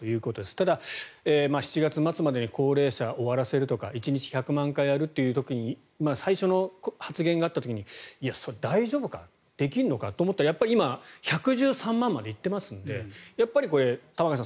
ただ、７月末までに高齢者を終わらせるとか１日１００万回やるという時に最初の発言があった時にそれ、大丈夫か？できるのか？と思ったらやっぱり１１３万まで行ってますのでやっぱり玉川さん